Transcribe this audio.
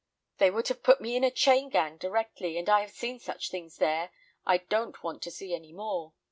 They would have put me in a chain gang directly, and I have seen such things there I don't want to see any more.